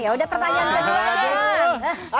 ya udah pertanyaan kedua